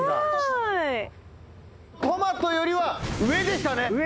トマトよりは上でしたね。